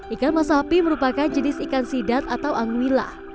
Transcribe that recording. ikan masapi merupakan jenis ikan sidat atau angwillah